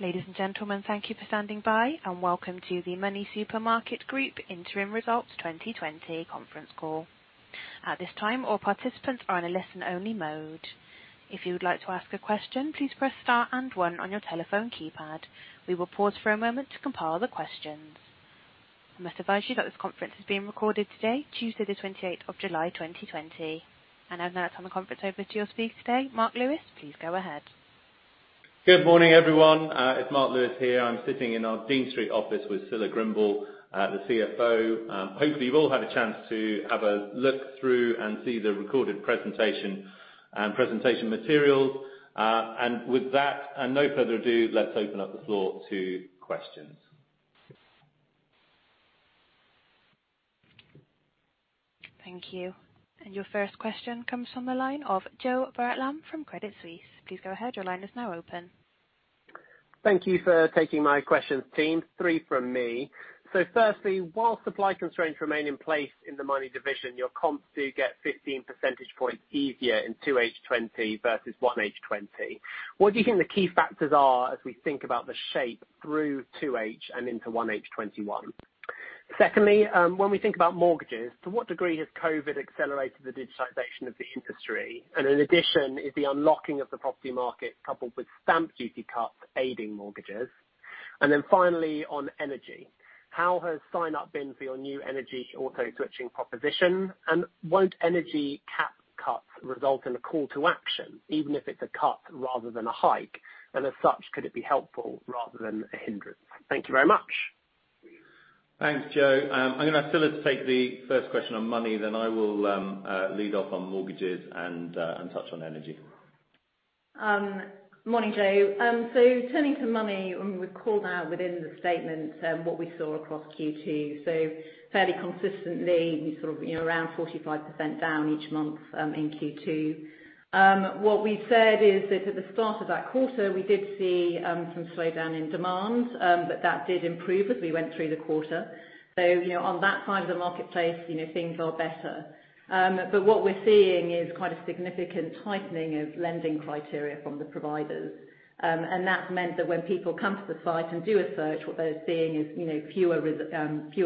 Ladies and gentlemen, thank you for standing by, and welcome to the MoneySuperMarket Group Interim Results 2020 conference call. At this time, all participants are in a listen only mode. If you would like to ask a question, please press star and one on your telephone keypad. We will pause for a moment to compile the questions. I must advise you that this conference is being recorded today, Tuesday the July 28th, 2020. Now may I turn the conference over to your speaker today, Mark Lewis. Please go ahead. Good morning, everyone. It's Mark Lewis here. I'm sitting in our Dean Street office with Scilla Grimble, the CFO. Hopefully, you've all had a chance to have a look through and see the recorded presentation and presentation materials. With that, and no further ado, let's open up the floor to questions. Thank you. Your first question comes from the line of Joe Barnet-Lamb from Credit Suisse. Please go ahead. Your line is now open. Thank you for taking my questions, team. Three from me. Firstly, while supply constraints remain in place in the Money division, your comps do get 15 percentage points easier in 2H 2020 versus 1H 2020. What do you think the key factors are as we think about the shape through 2H and into 1H 2021? Secondly, when we think about mortgages, to what degree has COVID accelerated the digitization of the industry? In addition, is the unlocking of the property market coupled with stamp duty cuts aiding mortgages? Finally, on energy. How has sign-up been for your new energy auto-switching proposition? Won't energy cap cuts result in a call to action, even if it's a cut rather than a hike? As such, could it be helpful rather than a hindrance? Thank you very much. Thanks, Joe. I'm going to have Scilla take the first question on Money. I will lead off on mortgages and touch on energy. Morning, Joe. Turning to Money, we've called out within the statement what we saw across Q2. Fairly consistently, we sort of around 45% down each month in Q2. What we've said is that at the start of that quarter, we did see some slowdown in demand, that did improve as we went through the quarter. On that side of the marketplace, things are better. What we're seeing is quite a significant tightening of lending criteria from the providers. That's meant that when people come to the site and do a search, what they're seeing is fewer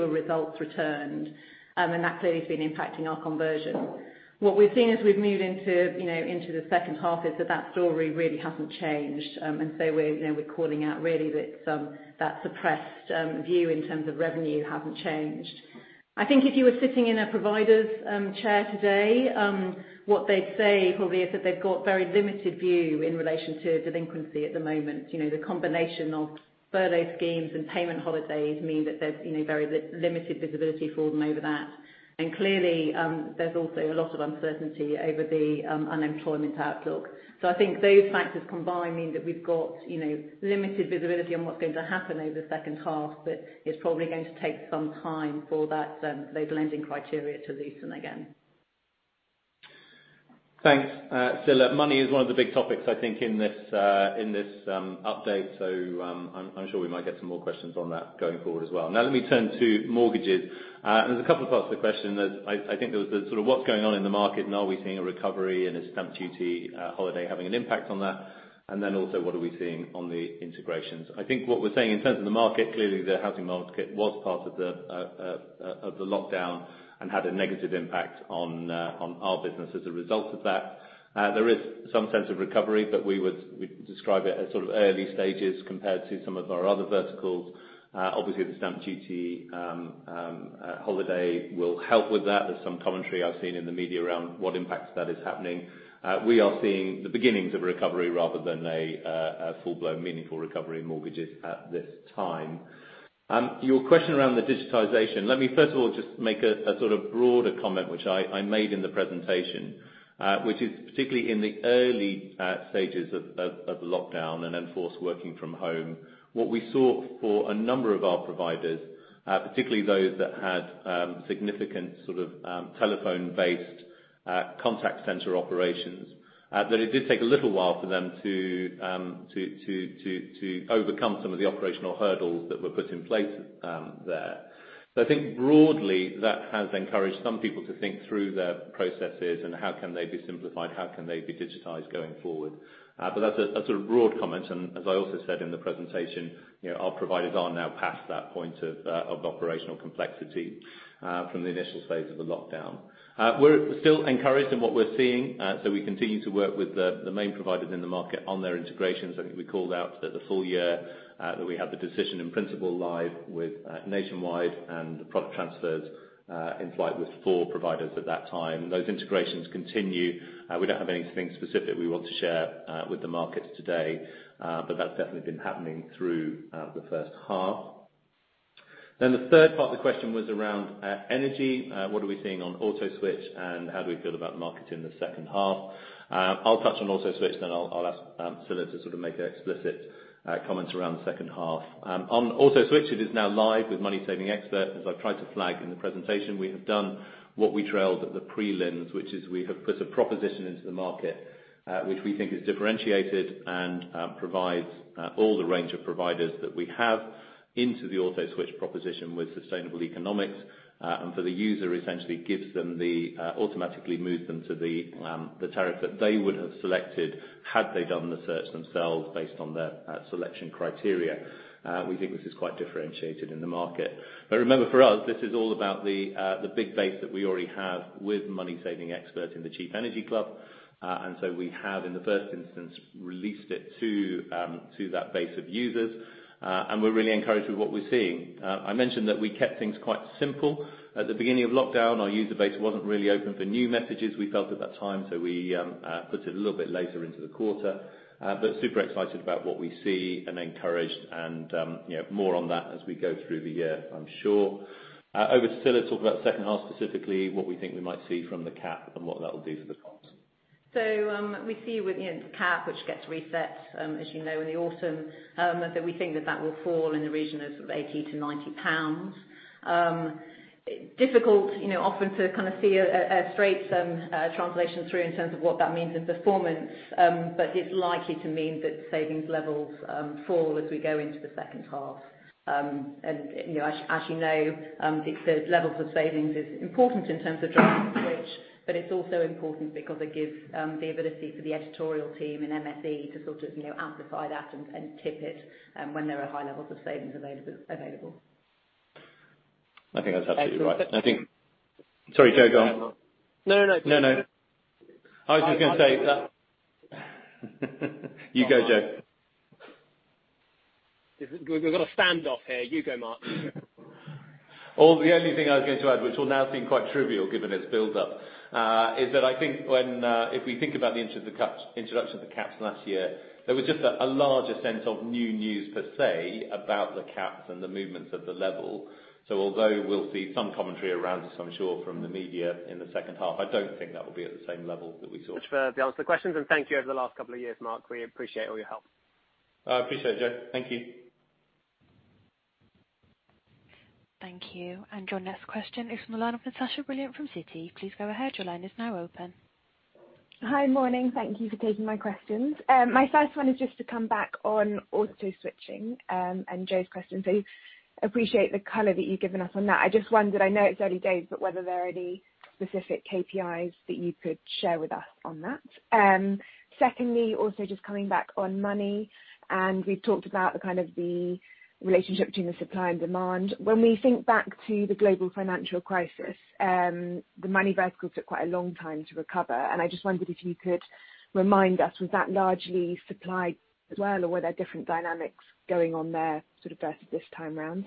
results returned, that clearly has been impacting our conversion. What we've seen as we've moved into the second half is that that story really hasn't changed. We're calling out really that that suppressed view in terms of revenue haven't changed. I think if you were sitting in a provider's chair today, what they'd say probably is that they've got very limited view in relation to delinquency at the moment. The combination of furlough schemes and payment holidays mean that there's very limited visibility for them over that. Clearly, there's also a lot of uncertainty over the unemployment outlook. I think those factors combined mean that we've got limited visibility on what's going to happen over the second half, but it's probably going to take some time for those lending criteria to loosen again. Thanks, Scilla. Money is one of the big topics, I think, in this update, so I'm sure we might get some more questions on that going forward as well. Let me turn to mortgages. There's a couple of parts to the question. I think there was the sort of what's going on in the market and are we seeing a recovery and is stamp duty holiday having an impact on that? What are we seeing on the integrations? I think what we're saying in terms of the market, clearly the housing market was part of the lockdown and had a negative impact on our business as a result of that. There is some sense of recovery, but we'd describe it as sort of early stages compared to some of our other verticals. Obviously, the stamp duty holiday will help with that. There's some commentary I've seen in the media around what impact that is happening. We are seeing the beginnings of a recovery rather than a full-blown meaningful recovery in mortgages at this time. Your question around the digitization, let me first of all just make a sort of broader comment which I made in the presentation, which is particularly in the early stages of lockdown and enforced working from home. What we saw for a number of our providers, particularly those that had significant telephone-based contact center operations, that it did take a little while for them to overcome some of the operational hurdles that were put in place there. I think broadly, that has encouraged some people to think through their processes and how can they be simplified, how can they be digitized going forward. That's a sort of broad comment, and as I also said in the presentation, our providers are now past that point of operational complexity from the initial phase of the lockdown. We're still encouraged in what we're seeing, so we continue to work with the main providers in the market on their integrations. I think we called out that the full year that we had the decision in principle live with Nationwide and the product transfers in flight with four providers at that time. Those integrations continue. We don't have anything specific we want to share with the market today. That's definitely been happening through the first half. The third part of the question was around energy. What are we seeing on autoswitch, and how do we feel about the market in the second half? I'll touch on autoswitch, then I'll ask Scilla to make explicit comments around the second half. On autoswitch, it is now live with MoneySavingExpert. As I tried to flag in the presentation, we have done what we trailed at the prelims, which is we have put a proposition into the market, which we think is differentiated and provides all the range of providers that we have into the autoswitch proposition with sustainable economics. For the user, essentially automatically moves them to the tariff that they would have selected had they done the search themselves based on their selection criteria. We think this is quite differentiated in the market. Remember, for us, this is all about the big base that we already have with MoneySavingExpert in the Cheap Energy Club. We have, in the first instance, released it to that base of users, and we're really encouraged with what we're seeing. I mentioned that we kept things quite simple. At the beginning of lockdown, our user base wasn't really open for new messages, we felt at that time, so we put it a little bit later into the quarter. Super excited about what we see and encouraged, and more on that as we go through the year, I'm sure. Over to Scilla to talk about the second half, specifically, what we think we might see from the cap and what that'll do for the cost. We see with the cap, which gets reset, as you know, in the autumn, that we think that will fall in the region of 80-90 pounds. Difficult often to see a straight translation through in terms of what that means in performance, but it's likely to mean that savings levels fall as we go into the second half. As you know, the levels of savings is important in terms of driving switch, but it's also important because it gives the ability for the editorial team and MSE to amplify that and tip it when there are high levels of savings available. I think that's absolutely right. Sorry, Joe, go on. No, no. No, no. I was just going to say that You go, Joe. We've got a standoff here. You go, Mark. Oh, the only thing I was going to add, which will now seem quite trivial given its build-up, is that I think if we think about the introduction of the caps last year, there was just a larger sense of new news, per se, about the caps and the movements of the level. Although we'll see some commentary around this, I'm sure, from the media in the second half, I don't think that will be at the same level that we saw. Much further to answer the questions, and thank you over the last couple of years, Mark. We appreciate all your help. I appreciate it, Joe. Thank you. Thank you. Your next question is from the line of Natasha Brilliant from Citi. Please go ahead. Your line is now open. Hi. Morning. Thank you for taking my questions. My first one is just to come back on auto-switching, and Joe's question. Appreciate the color that you've given us on that. I just wondered, I know it's early days, but whether there are any specific KPIs that you could share with us on that. Secondly, also just coming back on Money, we've talked about the relationship between the supply and demand. When we think back to the global financial crisis, the Money vertical took quite a long time to recover. I just wondered if you could remind us, was that largely supply as well, or were there different dynamics going on there, sort of versus this time around?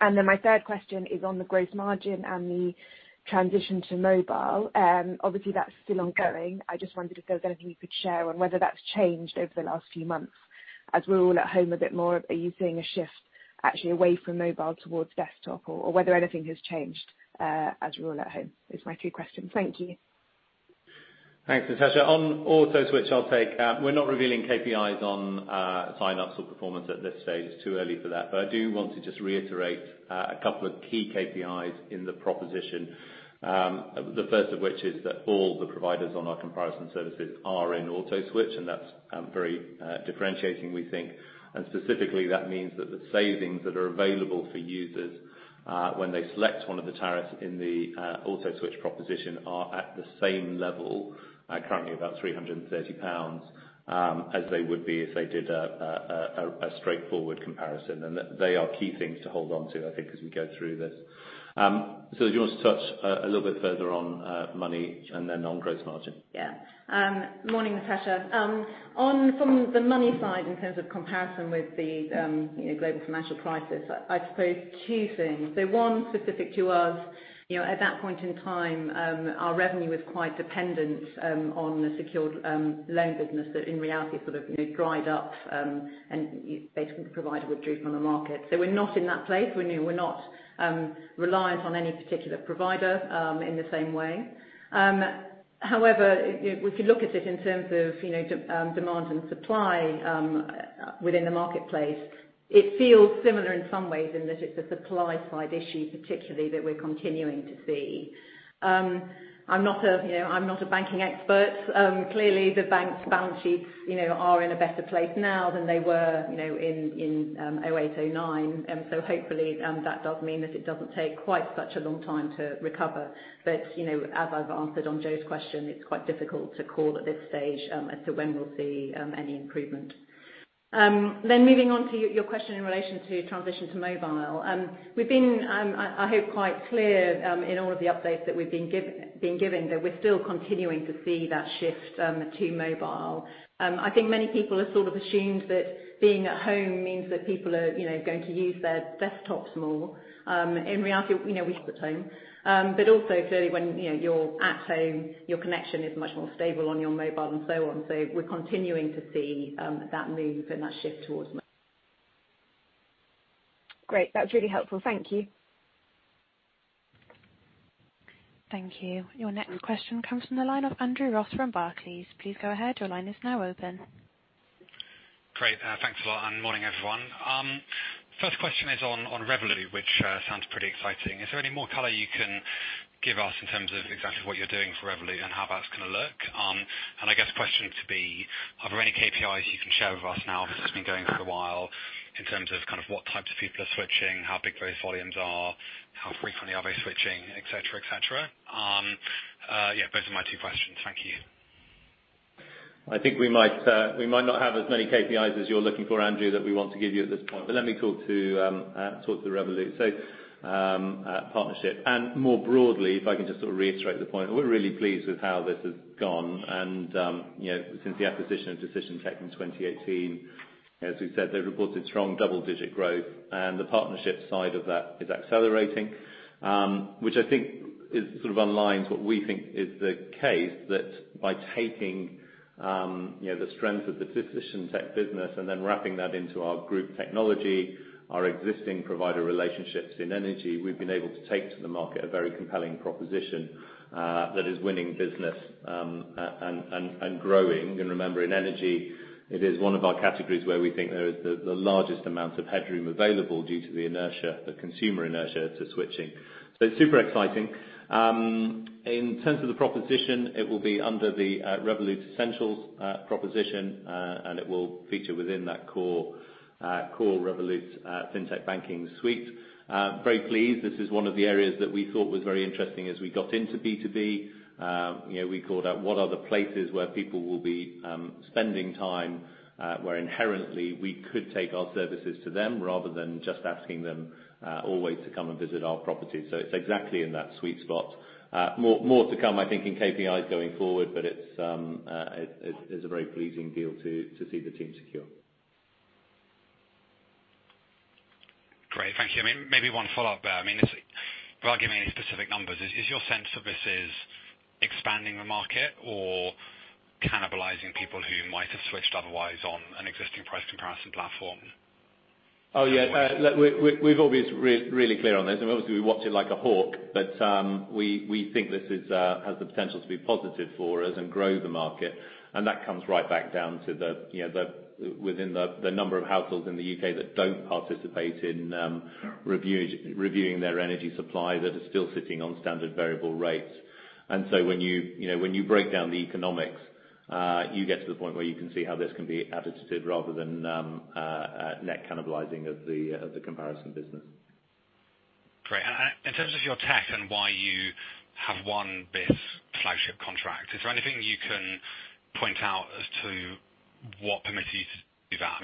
My third question is on the gross margin and the transition to mobile. Obviously, that's still ongoing. I just wondered if there was anything you could share on whether that's changed over the last few months, as we're all at home a bit more. Are you seeing a shift actually away from mobile towards desktop, or whether anything has changed as we're all at home, is my three questions. Thank you. Thanks, Natasha. On autoswitch, I'll take. We're not revealing KPIs on sign-ups or performance at this stage. It's too early for that. I do want to just reiterate a couple of key KPIs in the proposition. The first of which is that all the providers on our comparison services are in autoswitch, and that's very differentiating, we think. Specifically, that means that the savings that are available for users, when they select one of the tariffs in the autoswitch proposition are at the same level, currently about 330 pounds, as they would be if they did a straightforward comparison. They are key things to hold onto, I think, as we go through this. Scilla, do you want to touch a little bit further on Money and then on gross margin? Yeah. Morning, Natasha. From the Money side in terms of comparison with the global financial crisis, I suppose two things. One specific to us, at that point in time, our revenue was quite dependent on the secured loan business that in reality sort of dried up, and basically the provider withdrew from the market. We're not in that place. We're not reliant on any particular provider in the same way. However, if you look at it in terms of demand and supply within the marketplace, it feels similar in some ways in that it's a supply side issue particularly that we're continuing to see. I'm not a banking expert. Clearly, the banks' balance sheets are in a better place now than they were in 2008, 2009. Hopefully, that does mean that it doesn't take quite such a long time to recover. As I've answered on Joe's question, it's quite difficult to call at this stage as to when we'll see any improvement. Moving on to your question in relation to transition to mobile. We've been, I hope, quite clear in all of the updates that we've been giving, that we're still continuing to see that shift to mobile. I think many people have sort of assumed that being at home means that people are going to use their desktops more. In reality, we use it at home. Also clearly when you're at home, your connection is much more stable on your mobile and so on. We're continuing to see that move and that shift towards mobile. Great. That was really helpful. Thank you. Thank you. Your next question comes from the line of Andrew Ross from Barclays. Please go ahead. Your line is now open. Great. Thanks a lot. Morning, everyone. First question is on Revolut, which sounds pretty exciting. Is there any more color you can give us in terms of exactly what you're doing for Revolut and how that's going to look? I guess the question to be, are there any KPIs you can share with us now, this has been going for a while, in terms of what types of people are switching, how big those volumes are, how frequently are they switching, et cetera? Yeah, those are my two questions. Thank you. I think we might not have as many KPIs as you're looking for, Andrew, that we want to give you at this point. Let me talk to Revolut partnership. More broadly, if I can just reiterate the point, we're really pleased with how this has gone. Since the acquisition of Decision Tech in 2018, as we've said, they reported strong double-digit growth, and the partnership side of that is accelerating, which I think sort of aligns what we think is the case, that by taking the strength of the Decision Tech business and then wrapping that into our group technology, our existing provider relationships in energy, we've been able to take to the market a very compelling proposition that is winning business and growing. Remember, in energy, it is one of our categories where we think there is the largest amount of headroom available due to the inertia, the consumer inertia, to switching. It's super exciting. In terms of the proposition, it will be under the Revolut Essentials proposition, and it will feature within that core Revolut Fintech banking suite. Very pleased. This is one of the areas that we thought was very interesting as we got into B2B. We called out what are the places where people will be spending time where inherently we could take our services to them rather than just asking them always to come and visit our property. It's exactly in that sweet spot. More to come, I think, in KPIs going forward, but it's a very pleasing deal to see the team secure. Great. Thank you. Maybe one follow-up there. Without giving any specific numbers, is your sense that this is expanding the market or cannibalizing people who might have switched otherwise on an existing price comparison platform? Yeah. We've always been really clear on this, obviously, we watch it like a hawk, but we think this has the potential to be positive for us and grow the market. That comes right back down to within the number of households in the U.K. that don't participate in reviewing their energy supply, that are still sitting on standard variable rates. When you break down the economics, you get to the point where you can see how this can be additive rather than net cannibalizing of the comparison business. Great. In terms of your tech and why you have won this flagship contract, is there anything you can point out as to what permitted you to do that?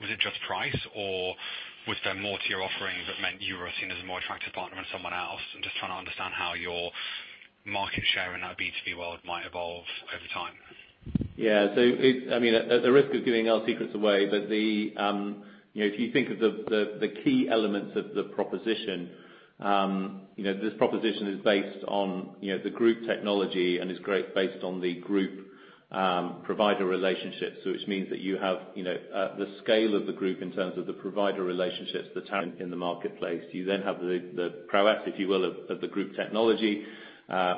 Was it just price or was there more to your offering that meant you were seen as a more attractive partner than someone else? I'm just trying to understand how your market share in that B2B world might evolve over time. At the risk of giving our secrets away, if you think of the key elements of the proposition, this proposition is based on the group technology and is based on the group provider relationships, which means that you have the scale of the group in terms of the provider relationships, the talent in the marketplace. You have the prowess, if you will, of the group technology,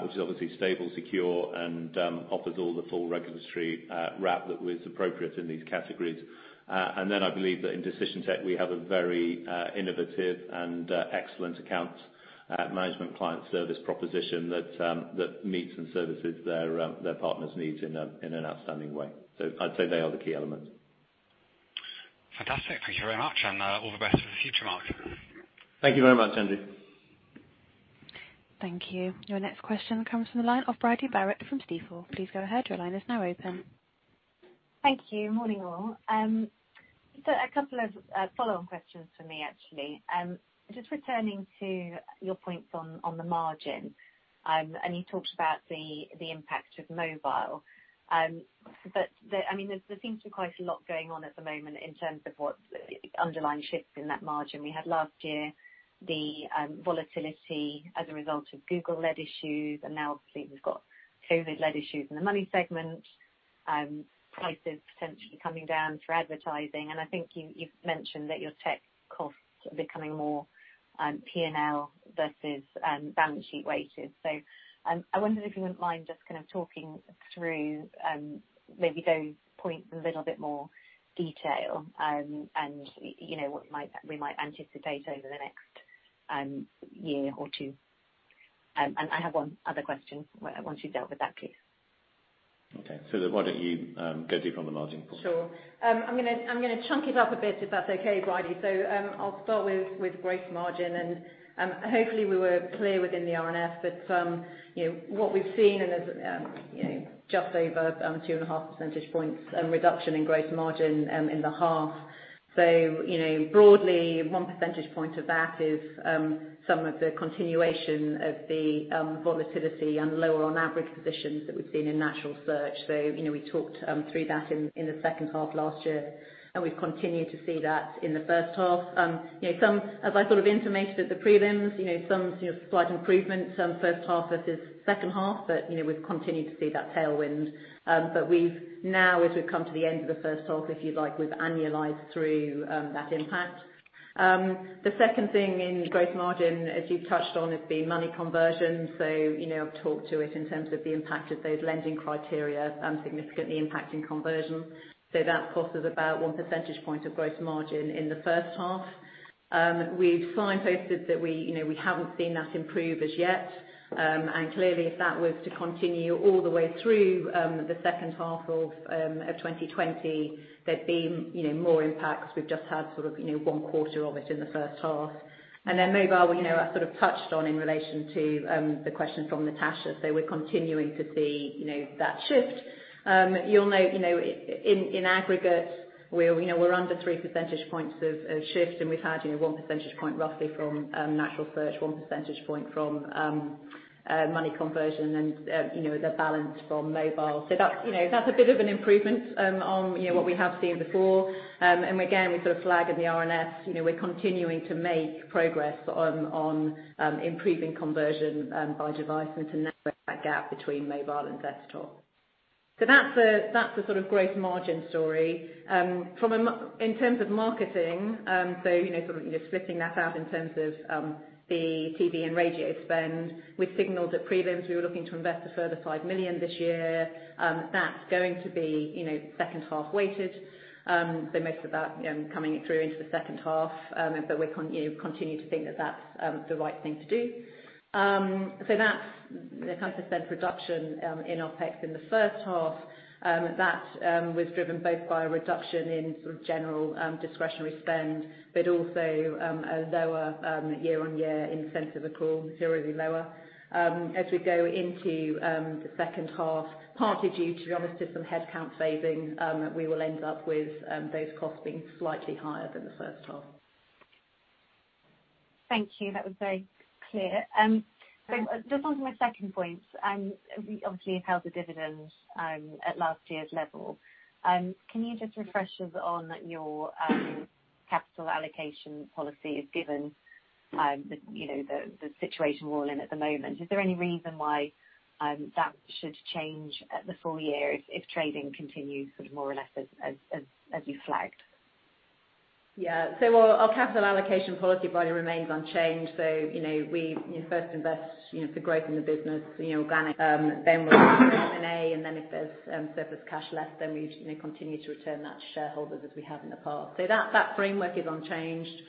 which is obviously stable, secure, and offers all the full regulatory wrap that is appropriate in these categories. I believe that in Decision Tech, we have a very innovative and excellent accounts management client service proposition that meets and services their partners' needs in an outstanding way. I'd say they are the key elements. Fantastic. Thank you very much, and all the best for the future, Mark. Thank you very much, Andrew. Thank you. Your next question comes from the line of Bridie Barrett from Stifel. Please go ahead. Your line is now open. Thank you. Morning, all. A couple of follow-on questions from me, actually. Just returning to your points on the margin, and you talked about the impact of mobile. There seems to be quite a lot going on at the moment in terms of what underlying shifts in that margin we had last year, the volatility as a result of Google-led issues, and now obviously we've got COVID-led issues in the Money segment, prices potentially coming down for advertising. I think you've mentioned that your tech costs are becoming more P&L versus balance sheet weighted. I wonder if you wouldn't mind just kind of talking through maybe those points in a little bit more detail and what we might anticipate over the next year or two. I have one other question once you've dealt with that, please. Okay. Why don't you go through from the margin point? Sure. I'm going to chunk it up a bit, if that's okay, Bridie. I'll start with gross margin. Hopefully we were clear within the RNS that what we've seen, there's just over 2.5 percentage points reduction in gross margin in the half. Broadly, 1 percentage point of that is some of the continuation of the volatility and lower on average positions that we've seen in natural search. We talked through that in the second half last year. We've continued to see that in the first half. As I sort of intimated at the prelims, some slight improvements first half versus second half. We've continued to see that tailwind. We've now, as we've come to the end of the first half, if you'd like, we've annualized through that impact. The second thing in gross margin, as you've touched on, is the Money conversion. I've talked to it in terms of the impact of those lending criteria significantly impacting conversion. That cost us about 1 percentage point of gross margin in the first half. We've signposted that we haven't seen that improve as yet. Clearly, if that was to continue all the way through the second half of 2020, there'd be more impact because we've just had sort of one quarter of it in the first half. Mobile, I sort of touched on in relation to the question from Natasha. We're continuing to see that shift. You'll note, in aggregate, we're under 3 percentage points of shift, and we've had 1 percentage point roughly from natural search, 1 percentage point from Money conversion, and the balance from mobile. That's a bit of an improvement on what we have seen before. Again, we sort of flag in the RNS, we're continuing to make progress on improving conversion by device, and to narrow that gap between mobile and desktop. That's a sort of gross margin story. In terms of marketing, sort of splitting that out in terms of the TV and radio spend, we signaled at prelims we were looking to invest a further 5 million this year. That's going to be second-half weighted. Most of that coming through into the second half. We continue to think that that's the right thing to do. That's the kind of spend reduction in OpEx in the first half. That was driven both by a reduction in general discretionary spend, but also a lower year-on-year incentive accrual, materially lower. As we go into the second half, partly due, to be honest, to some headcount phasing, we will end up with those costs being slightly higher than the first half. Thank you. That was very clear. Just onto my second point. We obviously have held the dividends at last year's level. Can you just refresh us on your capital allocation policy, given the situation we're all in at the moment? Is there any reason why that should change at the full year if trading continues sort of more or less as you flagged? Yeah. Our capital allocation policy broadly remains unchanged. We first invest for growth in the business, organic. We'll look at M&A, and then if there's surplus cash left, then we continue to return that to shareholders as we have in the past. That framework is unchanged.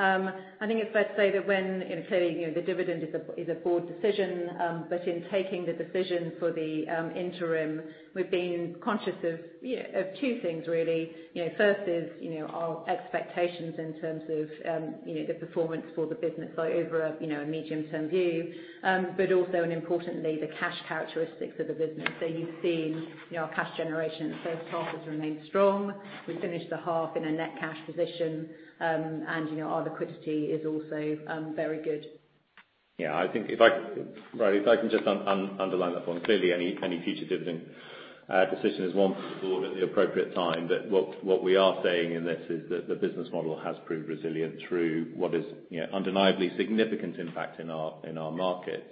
I think it's fair to say that when, clearly the dividend is a board decision, but in taking the decision for the interim, we've been conscious of two things, really. First is our expectations in terms of the performance for the business over a medium-term view, but also and importantly, the cash characteristics of the business. You've seen our cash generation in the first half has remained strong. We finished the half in a net cash position, and our liquidity is also very good. Yeah, I think if I could just underline that point. Clearly, any future dividend decision is one for the board at the appropriate time. What we are saying in this is that the business model has proved resilient through what is undeniably significant impact in our markets.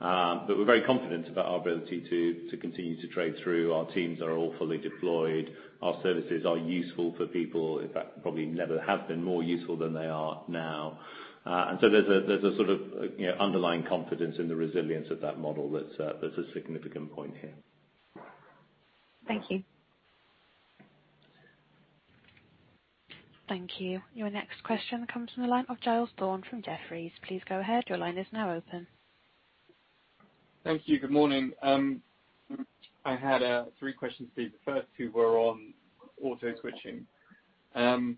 We're very confident about our ability to continue to trade through. Our teams are all fully deployed. Our services are useful for people. In fact, probably never have been more useful than they are now. There's a sort of underlying confidence in the resilience of that model that's a significant point here. Thank you. Thank you. Your next question comes from the line of Giles Thorne from Jefferies. Please go ahead. Your line is now open. Thank you. Good morning. I had three questions for you. The first two were on auto-switching. I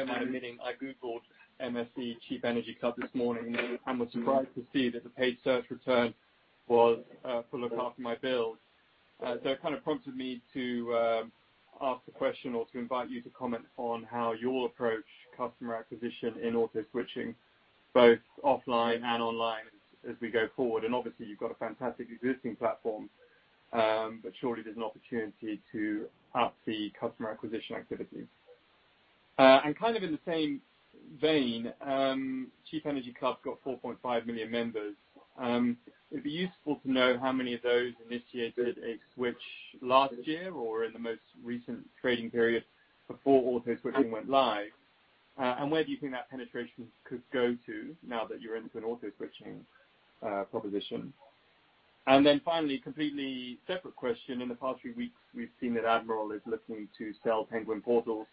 don't mind admitting, I Googled MSE Cheap Energy Club this morning and was surprised to see that the paid search return was for Look After My Bills. It kind of prompted me to ask a question, or to invite you to comment on how you'll approach customer acquisition in auto-switching, both offline and online as we go forward. Obviously, you've got a fantastic existing platform. Surely, there's an opportunity to up the customer acquisition activity. Kind of in the same vein, Cheap Energy Club's got 4.5 million members. It'd be useful to know how many of those initiated a switch last year or in the most recent trading period before auto-switching went live. Where do you think that penetration could go to now that you're into an auto-switching proposition? Then finally, completely separate question. In the past few weeks, we've seen that Admiral is looking to sell Penguin Portals.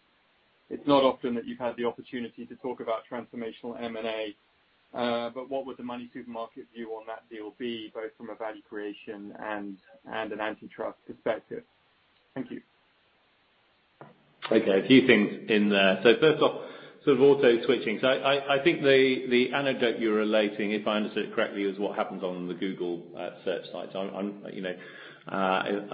It's not often that you've had the opportunity to talk about transformational M&A. What would the MoneySuperMarket view on that deal be, both from a value creation and an antitrust perspective? Thank you. A few things in there. First off, sort of auto-switching. I think the anecdote you're relating, if I understood it correctly, is what happens on the Google search sites. I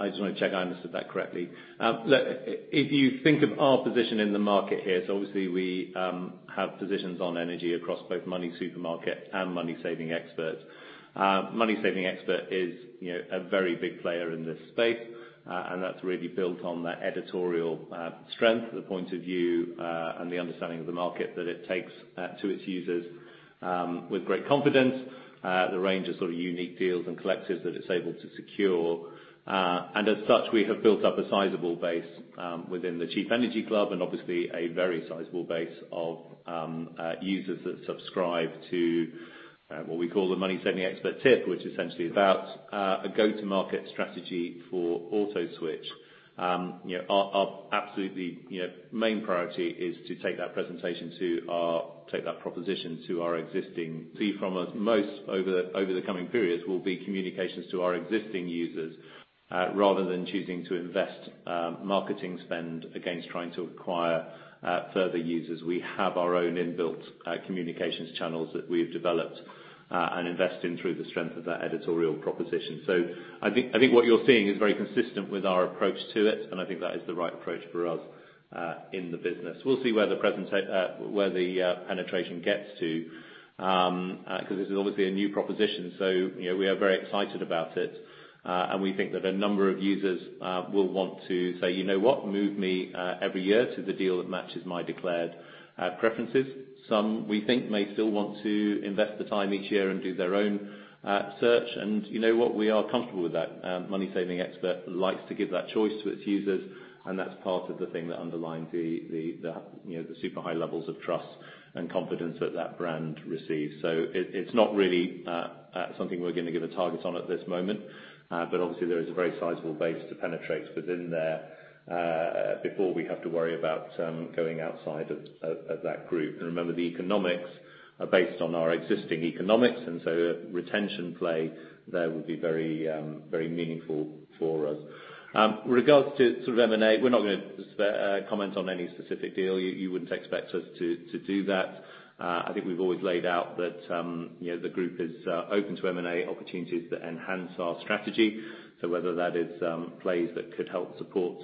just want to check I understood that correctly. If you think of our position in the market here, obviously we have positions on energy across both MoneySuperMarket and MoneySavingExpert. MoneySavingExpert is a very big player in this space. That's really built on that editorial strength, the point of view, and the understanding of the market that it takes to its users with great confidence. The range of sort of unique deals and collectives that it's able to secure. As such, we have built up a sizable base within the Cheap Energy Club, and obviously a very sizable base of users that subscribe to what we call the MoneySavingExpert tip, which essentially is about a go-to-market strategy for autoswitch. Our absolutely main priority is to take that proposition to our existing [three from us] most over the coming periods will be communications to our existing users, rather than choosing to invest marketing spend against trying to acquire further users. We have our own inbuilt communications channels that we have developed, and invest in through the strength of that editorial proposition. I think what you're seeing is very consistent with our approach to it, and I think that is the right approach for us in the business. We'll see where the penetration gets to, because this is obviously a new proposition. We are very excited about it, and we think that a number of users will want to say, "You know what? Move me every year to the deal that matches my declared preferences." Some, we think may still want to invest the time each year and do their own search. You know what? We are comfortable with that. MoneySavingExpert likes to give that choice to its users, and that's part of the thing that underlines the super high levels of trust and confidence that that brand receives. It's not really something we're going to give a target on at this moment. Obviously, there is a very sizable base to penetrate within there, before we have to worry about going outside of that group. Remember, the economics are based on our existing economics, and so retention play there would be very meaningful for us. With regards to sort of M&A, we're not going to comment on any specific deal. You wouldn't expect us to do that. I think we've always laid out that the group is open to M&A opportunities that enhance our strategy. Whether that is plays that could help support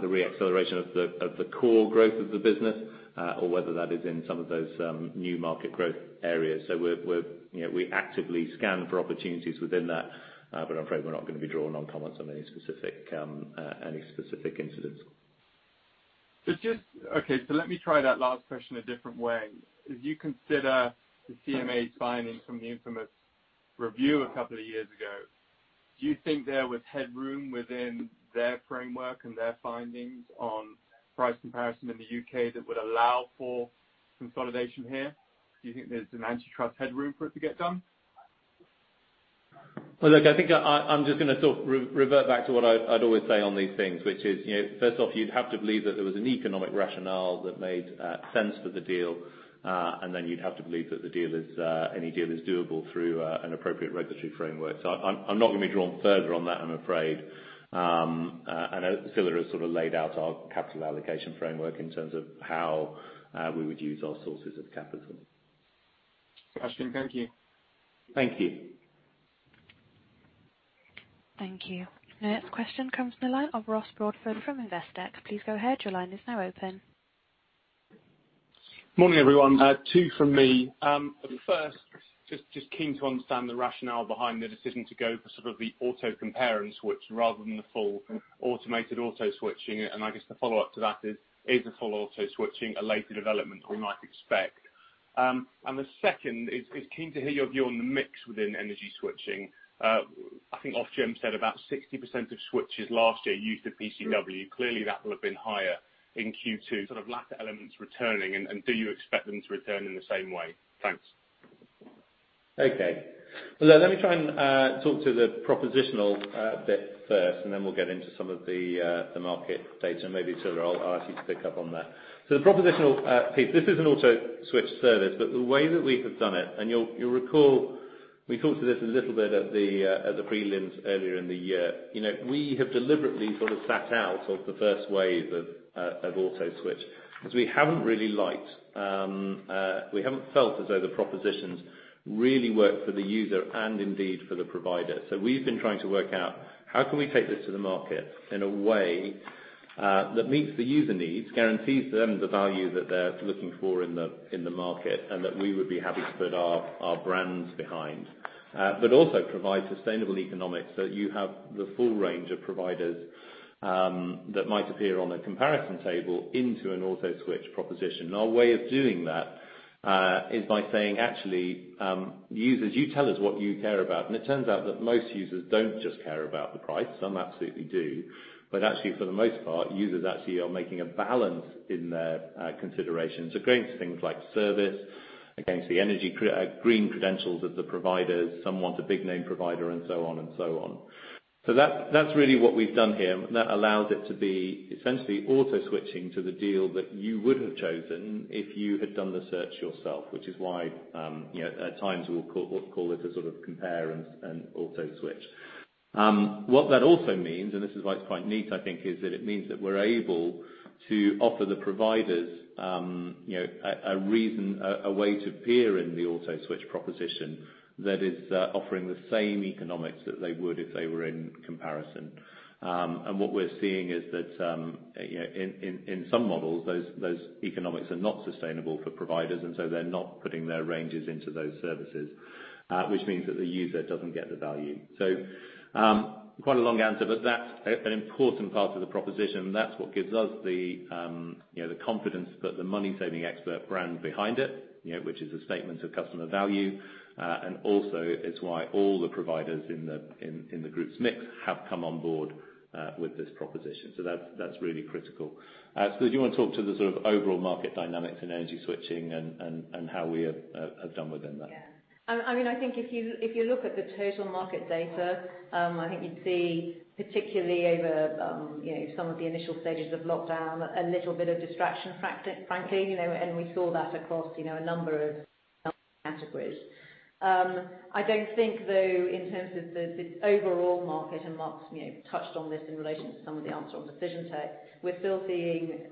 the re-acceleration of the core growth of the business, or whether that is in some of those new market growth areas. We actively scan for opportunities within that, but I'm afraid we're not going to be drawn on comments on any specific incidents. Okay. Let me try that last question a different way. As you consider the CMA's findings from the infamous review a couple of years ago, do you think there was headroom within their framework and their findings on price comparison in the U.K. that would allow for consolidation here? Do you think there's an antitrust headroom for it to get done? Well, look, I think I'm just going to sort of revert back to what I'd always say on these things, which is, first off, you'd have to believe that there was an economic rationale that made sense for the deal. Then you'd have to believe that any deal is doable through an appropriate regulatory framework. I'm not going to be drawn further on that, I'm afraid. As Scilla has sort of laid out our capital allocation framework in terms of how we would use our sources of capital. Understand, thank you. Thank you. Thank you. The next question comes from the line of Ross Broadfoot from Investec. Please go ahead. Your line is now open. Morning, everyone. Two from me. First, just keen to understand the rationale behind the decision to go for sort of the auto compare and switch rather than the full automated auto-switching. I guess the follow-up to that is the full auto-switching a later development we might expect? The second is, keen to hear your view on the mix within energy switching. I think Ofgem said about 60% of switches last year used the PCW. Clearly, that will have been higher in Q2, sort of latter elements returning, do you expect them to return in the same way? Thanks. Okay. Well, let me try and talk to the propositional bit first, and then we'll get into some of the market data. Maybe, Scilla, I'll ask you to pick up on that. The propositional piece, this is an autoswitch service, but the way that we have done it, and you'll recall we talked to this a little bit at the prelims earlier in the year. We have deliberately sort of sat out of the first wave of autoswitch because we haven't felt as though the propositions really work for the user and indeed for the provider. We've been trying to work out how can we take this to the market in a way that meets the user needs, guarantees them the value that they're looking for in the market, and that we would be happy to put our brands behind. Also provide sustainable economics so that you have the full range of providers that might appear on a comparison table into an autoswitch proposition. Our way of doing that is by saying, actually, users, you tell us what you care about, and it turns out that most users don't just care about the price. Some absolutely do. Actually, for the most part, users actually are making a balance in their considerations against things like service, against the green credentials of the providers. Some want a big name provider and so on. That's really what we've done here. That allows it to be essentially auto-switching to the deal that you would have chosen if you had done the search yourself, which is why at times we'll call it a sort of compare and autoswitch. What that also means, this is why it's quite neat, I think, is that it means that we're able to offer the providers a way to appear in the autoswitch proposition that is offering the same economics that they would if they were in comparison. What we're seeing is that in some models, those economics are not sustainable for providers, they're not putting their ranges into those services. Which means that the user doesn't get the value. Quite a long answer, that's an important part of the proposition. That's what gives us the confidence to put the MoneySavingExpert brand behind it, which is a statement of customer value. Also it's why all the providers in the group's mix have come on board with this proposition. That's really critical. Scilla, do you want to talk to the sort of overall market dynamics in energy switching and how we have done within that? I think if you look at the total market data, I think you'd see particularly over some of the initial stages of lockdown, a little bit of distraction, frankly. We saw that across a number of categories. I don't think, though, in terms of the overall market, and Mark's touched on this in relation to some of the answer on Decision Tech, we're still seeing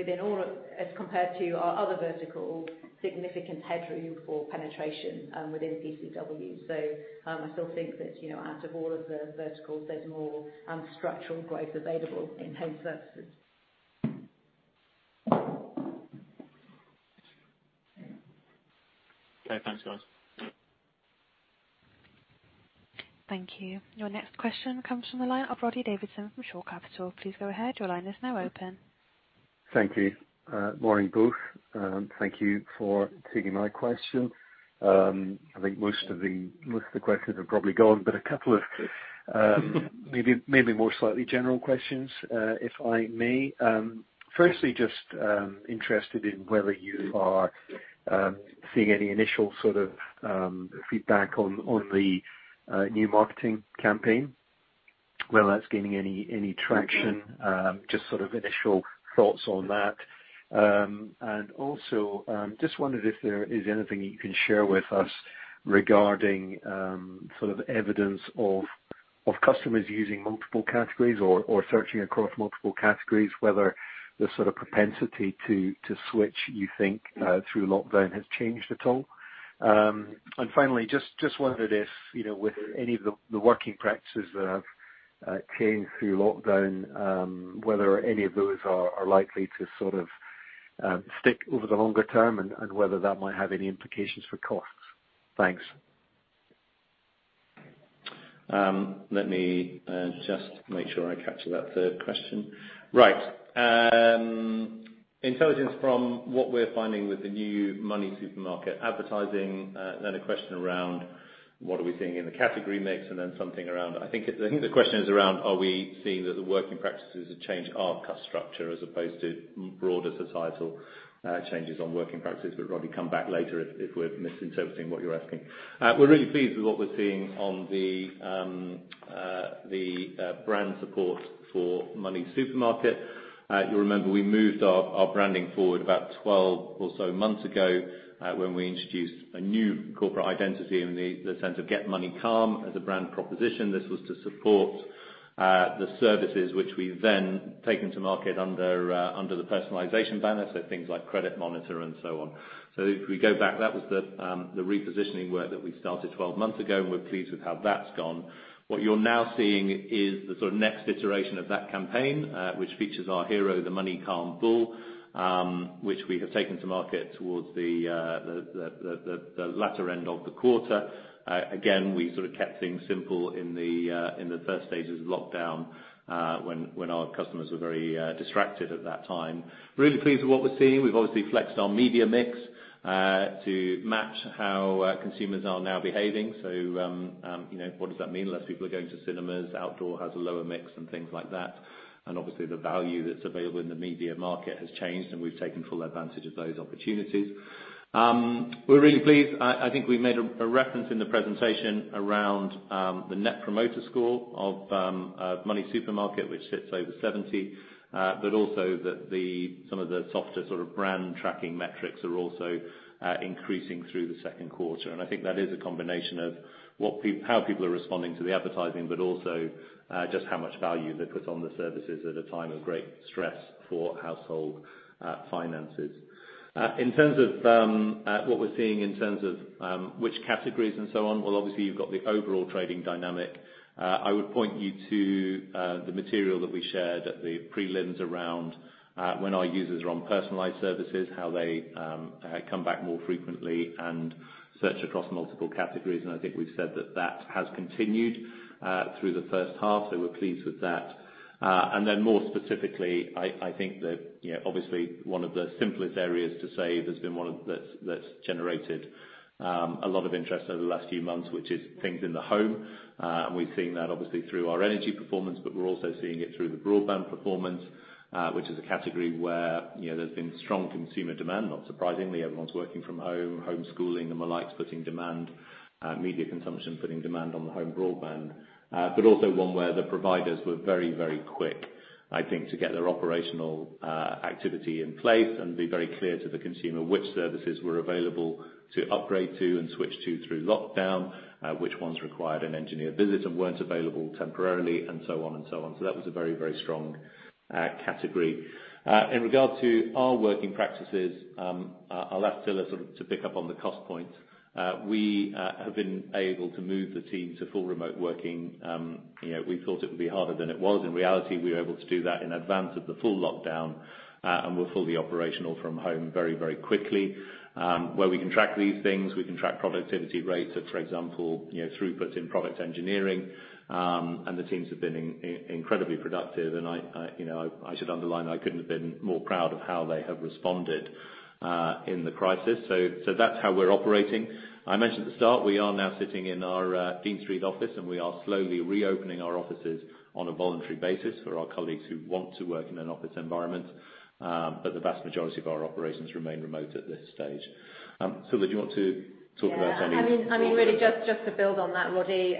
as compared to our other vertical, significant headroom for penetration within PCW. I still think that out of all of the verticals, there's more structural growth available in home services. Okay. Thanks, guys. Thank you. Your next question comes from the line of Roddy Davidson from Shore Capital. Please go ahead. Your line is now open. Thank you. Morning, both. Thank you for taking my question. I think most of the questions have probably gone, but two of maybe more slightly general questions, if I may. Firstly, just interested in whether you are seeing any initial sort of feedback on the new marketing campaign, whether that's gaining any traction, just sort of initial thoughts on that. Also, just wondered if there is anything you can share with us regarding sort of evidence of customers using multiple categories or searching across multiple categories, whether the sort of propensity to switch, you think, through lockdown has changed at all. Finally, just wondered if, with any of the working practices that have changed through lockdown, whether any of those are likely to sort of stick over the longer term and whether that might have any implications for costs. Thanks. Let me just make sure I capture that third question. Right. Intelligence from what we're finding with the new MoneySuperMarket advertising, a question around what are we seeing in the category mix, something around, I think the question is around are we seeing that the working practices have changed our cost structure as opposed to broader societal changes on working practices. Roddy, come back later if we're misinterpreting what you're asking. We're really pleased with what we're seeing on the brand support for MoneySuperMarket. You'll remember we moved our branding forward about 12 or so months ago, when we introduced a new corporate identity in the sense of Get Money Calm as a brand proposition. This was to support the services which we've then taken to market under the personalization banner, so things like Credit Monitor and so on. If we go back, that was the repositioning work that we started 12 months ago, and we're pleased with how that's gone. What you're now seeing is the sort of next iteration of that campaign, which features our hero, the Money Calm Bull, which we have taken to market towards the latter end of the quarter. We sort of kept things simple in the first stages of lockdown, when our customers were very distracted at that time. We're really pleased with what we're seeing. We've obviously flexed our media mix to match how consumers are now behaving. What does that mean? Less people are going to cinemas, outdoor has a lower mix and things like that. Obviously the value that's available in the media market has changed, and we've taken full advantage of those opportunities. We're really pleased. I think we made a reference in the presentation around the net promoter score of MoneySuperMarket, which sits over 70. Also some of the softer sort of brand tracking metrics are also increasing through the second quarter. I think that is a combination of how people are responding to the advertising, but also just how much value they put on the services at a time of great stress for household finances. In terms of what we're seeing in terms of which categories and so on, well, obviously you've got the overall trading dynamic. I would point you to the material that we shared at the prelims around when our users are on personalized services, how they come back more frequently and search across multiple categories, and I think we've said that that has continued through the first half, so we're pleased with that. More specifically, I think that obviously one of the simplest areas to say that's generated a lot of interest over the last few months, which is things in the home. We've seen that obviously through our energy performance, but we're also seeing it through the broadband performance, which is a category where there's been strong consumer demand, not surprisingly. Everyone's working from home, homeschooling and the likes, putting demand, media consumption, putting demand on the home broadband. Also one where the providers were very, very quick, I think, to get their operational activity in place and be very clear to the consumer which services were available to upgrade to and switch to through lockdown, which ones required an engineer visit and weren't available temporarily, and so on and so on. That was a very, very strong category. In regard to our working practices, I'll ask Scilla to pick up on the cost point. We have been able to move the team to full remote working. We thought it would be harder than it was. In reality, we were able to do that in advance of the full lockdown, and were fully operational from home very, very quickly. Where we can track these things, we can track productivity rates of, for example, throughputs in product engineering. The teams have been incredibly productive, and I should underline I couldn't have been more proud of how they have responded in the crisis. That's how we're operating. I mentioned at the start, we are now sitting in our Dean Street office, and we are slowly reopening our offices on a voluntary basis for our colleagues who want to work in an office environment. The vast majority of our operations remain remote at this stage. Scilla, do you want to talk about any-? Yeah. Really just to build on that, Roddy.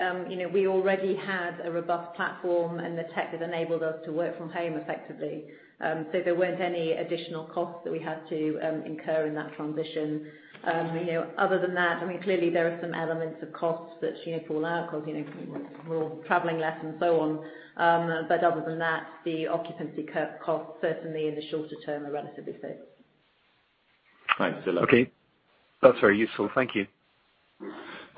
We already had a robust platform, and the tech has enabled us to work from home effectively. There weren't any additional costs that we had to incur in that transition. Other than that, clearly there are some elements of costs that fall out because we're all traveling less and so on. Other than that, the occupancy costs certainly in the shorter term are relatively safe. Thanks, Scilla. Okay. That's very useful. Thank you.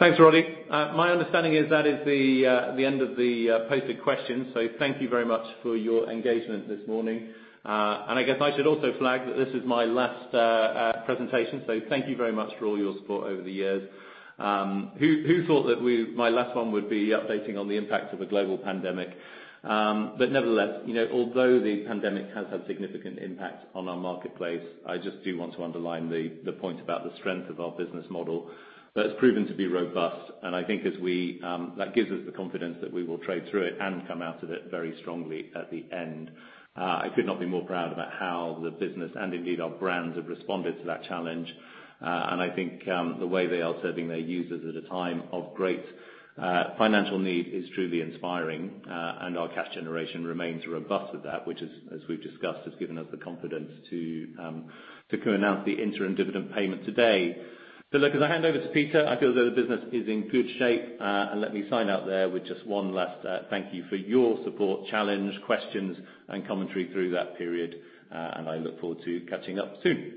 Thanks, Roddy. My understanding is that is the end of the posted questions. Thank you very much for your engagement this morning. I guess I should also flag that this is my last presentation, so thank you very much for all your support over the years. Who thought that my last one would be updating on the impact of a global pandemic? Nevertheless, although the pandemic has had significant impact on our marketplace, I just do want to underline the point about the strength of our business model that's proven to be robust, and I think that gives us the confidence that we will trade through it and come out of it very strongly at the end. I could not be more proud about how the business, and indeed our brands, have responded to that challenge. I think the way they are serving their users at a time of great financial need is truly inspiring. Our cash generation remains robust at that, which as we've discussed, has given us the confidence to announce the interim dividend payment today. Look, as I hand over to Peter, I feel as though the business is in good shape. Let me sign out there with just one last thank you for your support, challenge, questions, and commentary through that period, and I look forward to catching up soon.